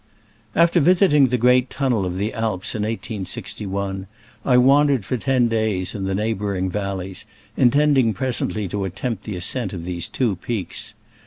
After visiting the great tunnel of the Alps in 1 86 1, I wandered for ten days in the neighboring valleys, intending presently to attempt the ascent of these two peaks.